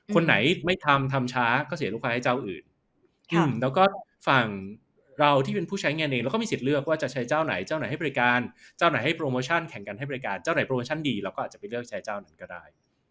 คนไหนไม่ทำทำช้าก็เสียลูกค้าให้เจ้าอื่นแล้วก็ฝั่งเราที่เป็นผู้ใช้งานเองเราก็มีสิทธิ์เลือกว่าจะใช้เจ้าไหนเจ้าไหนให้บริการเจ้าไหนให้โปรโมชั่นแข่งกันให้บริการเจ้าไหนโปรโมชั่นดีเราก็อาจจะไปเลือกใช้เจ้านั้นก็ได้